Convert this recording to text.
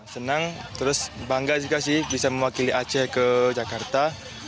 senang terus bangga juga sih bisa mewakili aceh ke jakarta